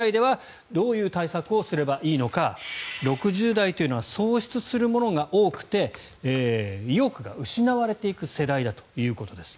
６０代ではどういう対策をすればいいのか６０代というのは喪失するものが多くて意欲が失われていく世代だということです。